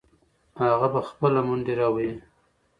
هغه به خپله منډې راوهي.